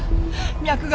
脈が。